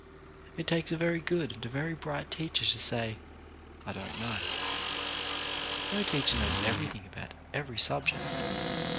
" It takes a very good and a very bright teacher to say, " I don't know." No teacher knows everything about 6 CHARACTER BUILDING every subject.